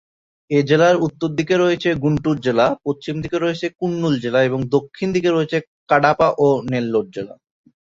এই জেলার উত্তর দিকে রয়েছে গুন্টুর জেলা, পশ্চিম দিকে রয়েছে কুর্নুল জেলা এবং দক্ষিণ দিকে রয়েছে কাডাপা ও নেল্লোর জেলা।